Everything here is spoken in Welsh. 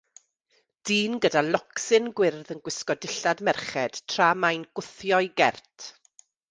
dyn gyda locsyn gwyrdd yn gwisgo dillad merched tra mae'n gwthio'i gert